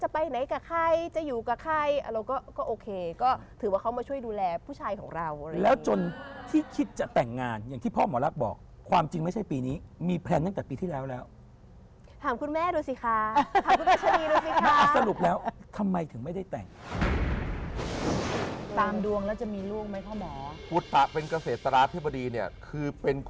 ไปไหนกับใครจะอยู่กับใครอะไรก็ก็โอเคก็ถือว่าเขามาช่วยดูแลผู้ชายของเราแล้วจนที่คิดจะแต่งงานอย่างที่พ่อหมอรักบอกความจริงไม่ใช่ปีนี้มีแพลนตั้งแต่ปีที่แล้วแล้วถามคุณแม่ดูสิคะถามคุณรัชนีดูสิคะสรุปแล้วทำไมถึงไม่ได้แต่งตามดวงแล้วจะมีลูกไหมพ่อหมอพุทธะเป็นเกษตราธิบดีเนี่ยคือเป็น